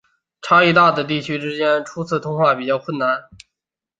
差异大的地区之间初次通话比较困难。